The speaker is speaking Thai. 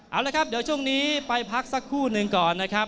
เอาละครับเดี๋ยวช่วงนี้ไปพักสักครู่หนึ่งก่อนนะครับ